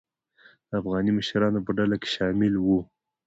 د افغاني مشرانو په ډله کې شامله وه.